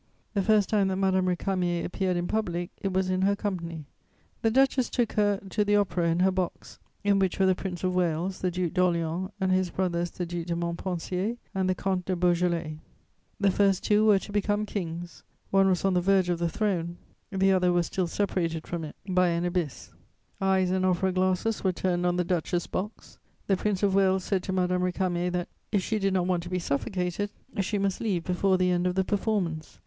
The first time that Madame Récamier appeared in public, it was in her company. The duchess took her to the Opera in her box, in which were the Prince of Wales, the Duc d'Orléans and his brothers the Duc de Montpensier and the Comte de Beaujolais: the first two were to become kings; one was on the verge of the throne, the other was still separated from it by an abyss. Eyes and opera glasses were turned on the duchess' box. The Prince of Wales said to Madame Récamier that, if she did not want to be suffocated, she must leave before the end of the performance.